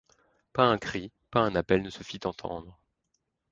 Pas un cri, pas un appel ne se fit entendre.